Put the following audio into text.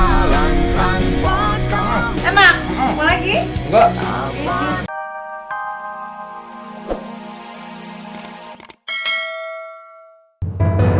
ih gak mau nih buatan putri lo